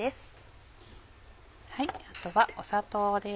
あとは砂糖です。